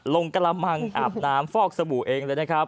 กระมังอาบน้ำฟอกสบู่เองเลยนะครับ